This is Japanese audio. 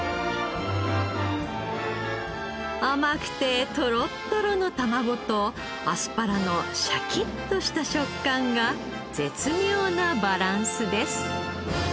甘くてトロットロの卵とアスパラのシャキッとした食感が絶妙なバランスです。